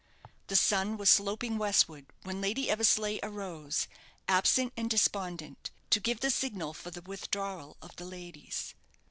The sun was sloping westward when Lady Eversleigh arose, absent and despondent, to give the signal for the withdrawal of the ladies.